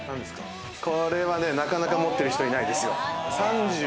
これは、なかなか持っている人はいないですよ。